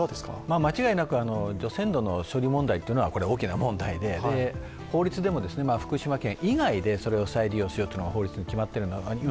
間違いなく、除染土の処理問題っていうのは大きな問題で法律でも福島県以外でそれを再利用しようというのが決まっている。